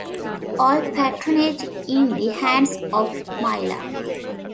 All patronage in the hands of Myla!